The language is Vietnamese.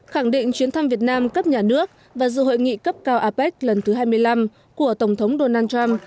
khẳng định chuyến thăm việt nam cấp nhà nước và dự hội nghị cấp cao apec lần thứ hai mươi năm của tổng thống donald trump